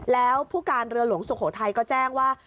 แล้วผู้การเรือหลวงสุโขทัยก็แจ้งว่า